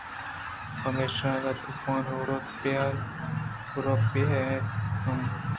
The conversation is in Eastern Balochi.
پمیشا اگاں طُوفانءُ ہیروپ بیا اَنت ہم